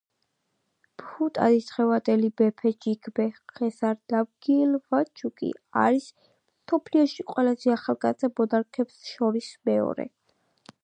ბჰუტანის დღევანდელი მეფე ჯიგმე ხესარ ნამგიელ ვანგჩუკი არის მსოფლიოში ყველაზე ახალგაზრდა მონარქებს შორის მეორე.